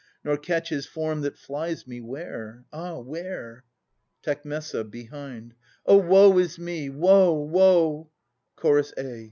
Nor catch his form that flies me, where ? ah ! where ? Tec. {behind). Oh, woe is me! woe, woe! Ch. a.